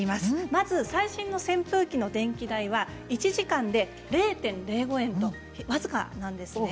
まず最新の扇風機の電気代は１時間で、０．０５円と僅かなんですね。